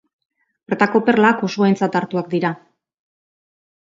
Bertako perlak oso aintzat hartuak dira.